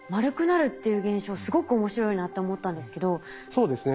そうですね。